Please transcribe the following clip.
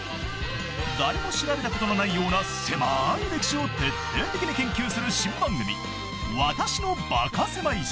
［誰も調べたことのないような狭い歴史を徹底的に研究する新番組『私のバカせまい史』］